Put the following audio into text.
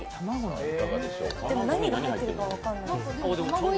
でも何が入ってるか分からない。